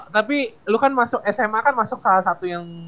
tapi lu kan masuk sma kan masuk salah satu yang